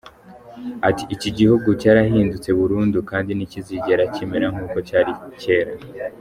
Ati “Iki gihugu cyarahindutse burundu kandi ntikizigera kimera nk’uko cyari cyera.